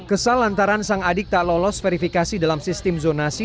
kesal antara sang adik tak lolos verifikasi dalam sistem zonasi